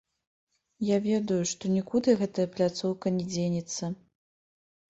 Я ведаю, што нікуды гэтая пляцоўка не дзенецца.